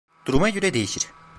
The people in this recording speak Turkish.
Duruma göre değişir.